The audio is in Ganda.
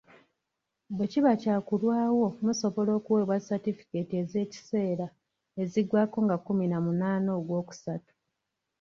Bwekiba kyakulwawo musobola okuweebwa Ssatifeeketi ez'ekiseera eziggwako nga kkumi na munaana ogwookusatu.